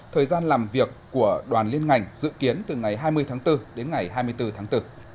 thời gian làm việc của đoàn liên ngành dự kiến từ ngày hai mươi tháng bốn đến ngày hai mươi bốn tháng bốn